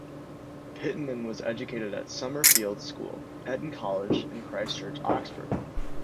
Pitman was educated at Summer Fields School, Eton College and Christ Church, Oxford.